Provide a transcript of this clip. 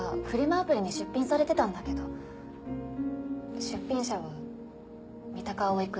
アプリに出品されてたんだけど出品者は三鷹蒼くんなの。えっ！？